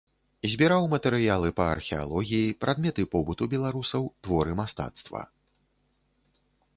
Збіраў матэрыялы па археалогіі, прадметы побыту беларусаў, творы мастацтва.